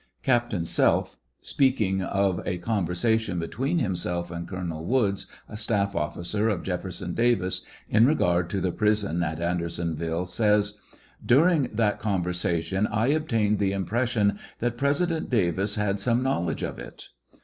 Captain Selph, speaking of a conversation between himself and Colonel Woods, a staff officer of Jefferson Davis, in regard to the prison at Aader?onville, says : During that conversation I obtained the impression that President Davis had some knowl' edge of it.